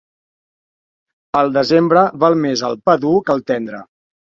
Al desembre val més el pa dur que el tendre.